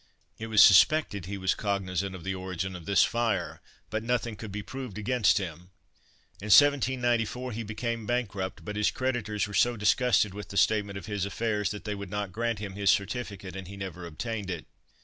It was suspected he was cognizant of the origin of this fire; but nothing could be proved against him. In 1794 he became bankrupt; but his creditors were so disgusted with the statement of his affairs, that they would not grant him his certificate, and he never obtained it.